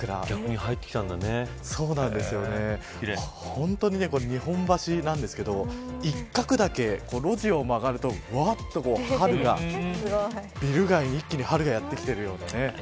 ほんとにこれ日本橋なんですけど一角だけ路地を曲がるとうわっと春がビル街に一気に春がやってきているようなね。